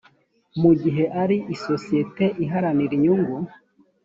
mu gihe ari isosiyete iharanira inyungu